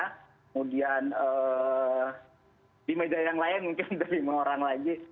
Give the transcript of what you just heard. kemudian di meja yang lain mungkin ada lima orang lagi